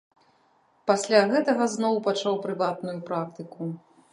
Пасля гэтага зноў пачаў прыватную практыку.